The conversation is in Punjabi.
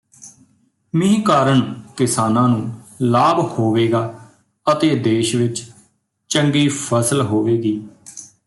ਮੀਂਹ ਕਾਰਨ ਕਿਸਾਨਾਂ ਨੂੰ ਲਾਭ ਹੋਵੇਗਾ ਅਤੇ ਦੇਸ਼ ਵਿਚ ਚੰਗੀ ਫਸਲ ਹੋਵੇਗੀ